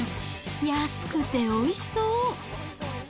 安くておいしそう。